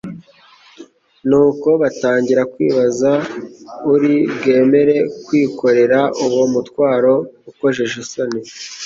nuko batangira kwibaza uri bwemere kwikorera uwo mutwaro ukojeje isoni.